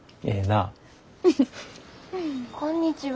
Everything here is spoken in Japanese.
こんにちは。